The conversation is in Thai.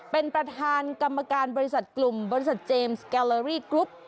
เป็นประธานกรรมการบริษัทกลุ่มบริษัทเจมส์แกลอรี่กรุ๊ป